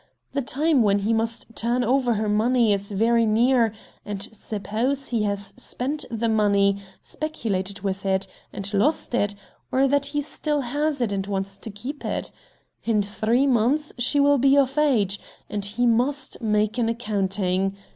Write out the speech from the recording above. The time when he must turn over her money is very near, and, suppose he has spent the money, speculated with it, and lost it, or that he still has it and wants to keep it? In three months she will be of age, and he must make an accounting.